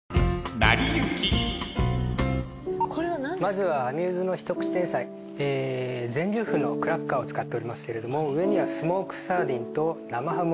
まずはアミューズの一口前菜全粒粉のクラッカーを使っておりますけれども上にはスモークサーディンと生ハムを巻いてご用意しました。